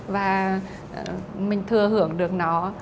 và mình thừa hưởng được nó